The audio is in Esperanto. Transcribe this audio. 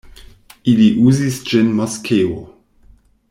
Ili uzis ĝin moskeo.